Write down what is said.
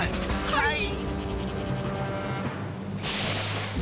はい！